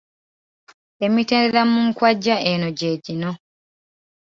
Emitendera mu nkwajja eno gye gino.